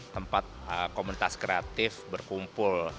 tempat komunitas kreatif berkumpul